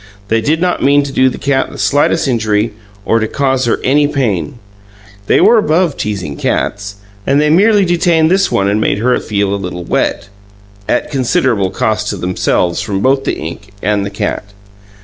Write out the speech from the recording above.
They did not mean to do the cat the slightest injury or to cause her any pain. They were above teasing cats, and they merely detained this one and made her feel a little wet at considerable cost to themselves from both the ink and the cat.